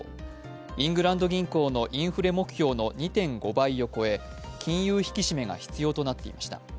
イングランド銀行のインフレ目標の２．５倍を超え、金融引き締めが必要となっていました。